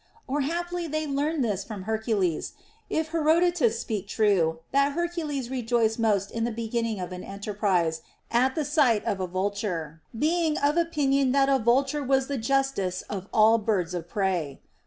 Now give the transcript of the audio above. Or haply they learned this from Hercules, if Herodotus speak true that Hercules re joiced most in the beginning of an enterprise at the sight of a vulture, being of opinion that a vulture was the just est of all birds of prey.